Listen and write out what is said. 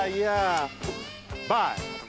バイ！